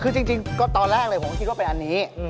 คือจริงก็ตอนแรกเลยผมก็คิดว่าเป็นอันนี้